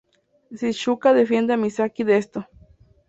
Shizuka defiende a Misaki de esto.